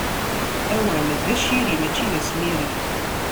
Awal d aciri mačči d asmiri.